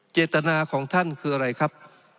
เจตนาของท่านคืออะไรครับ